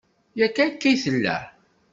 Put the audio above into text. Yak akka i tella.